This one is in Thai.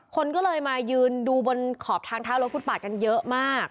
คนก็เลยมายืนดูบนขอบทางเท้ารถฟุตปาดกันเยอะมาก